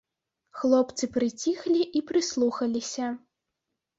Хлопцы прыціхлі і прыслухаліся.